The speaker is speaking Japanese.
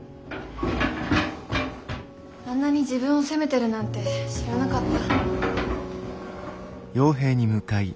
あんなに自分を責めてるなんて知らなかった。